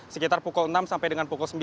sekitar pukul enam sampai dengan pukul sembilan